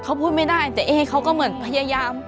เขาพูดไม่ได้แต่เอ๊เขาก็เหมือนพยายาม